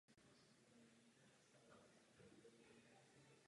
Publikoval také v odborných časopisech domácích i zahraničních články zemědělské.